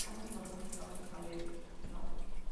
Ambos modelos estaban carenados.